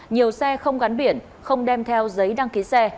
nhiều xe không gắn biển không đem theo giấy đăng ký xe